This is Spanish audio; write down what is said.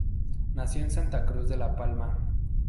Nació en Santa Cruz de La Palma.